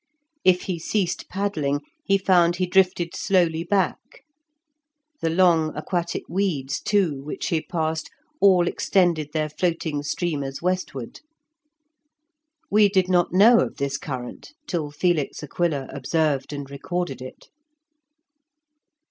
If he ceased paddling, he found he drifted slowly back; the long aquatic weeds, too, which he passed, all extended their floating streamers westward. We did not know of this current till Felix Aquila observed and recorded it.